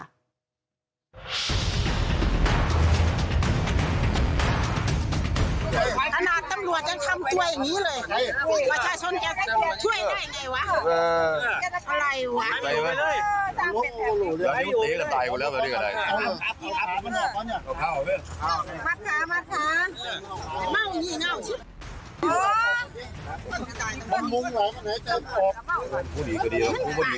อะไรวะตายกว่าแล้วตายกว่าแล้วตายกว่าแล้ว